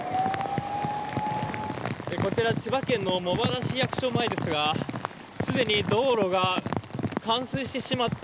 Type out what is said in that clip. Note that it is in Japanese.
こちら千葉県の茂原市役所前ですがすでに道路が冠水してしまって